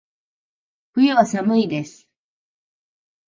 冬は、寒いです。